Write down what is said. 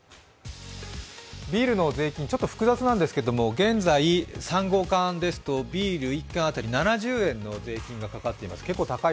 ビールの税金、ちょっと複雑なんですけど、現在、ビール１本当たり７０円の税金がかかっています。